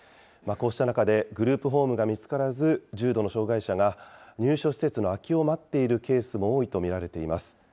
こうした中で、グループホームが見つからず、重度の障害者が入所施設の空きを待っているケースも多いと見られています。